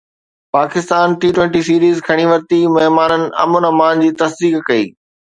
Pakistan T twenty series کٽي ورتي، مهمانن امن امان جي تصديق ڪئي